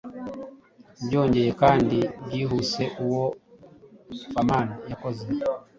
Byongeye kandi byihuse uwo foeman yakoze